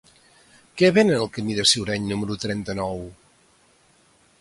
Què venen al camí del Ciureny número trenta-nou?